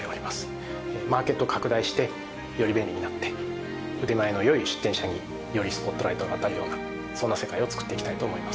マーケットを拡大してより便利になって腕前の良い出店者によりスポットライトが当たるようなそんな世界をつくっていきたいと思います。